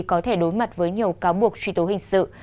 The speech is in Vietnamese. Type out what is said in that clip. có thể đối mặt với nhiều cáo buộc truy tố hình sự